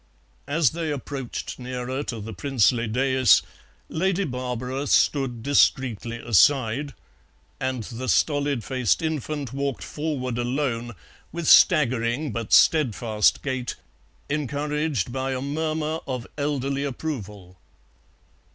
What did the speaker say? As they approached nearer to the princely daïs Lady Barbara stood discreetly aside, and the stolid faced infant walked forward alone, with staggering but steadfast gait, encouraged by a murmur of elderly approval.